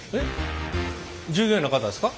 従業員の方ですか？